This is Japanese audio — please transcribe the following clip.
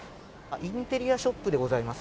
インテリアショップでございます。